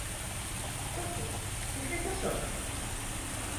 “Por que? Ti cres na sorte?”